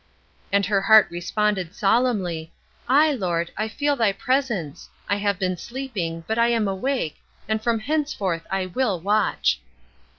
And her heart responded solemnly, "Aye, Lord, I feel thy presence; I have been sleeping, but I am awake, and from henceforth I will watch."